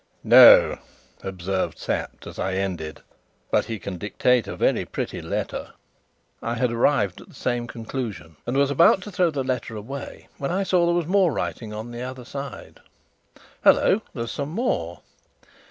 "No," observed Sapt, as I ended, "but he can dictate a very pretty letter." I had arrived at the same conclusion, and was about to throw the letter away, when I saw there was more writing on the other side. "Hallo! there's some more."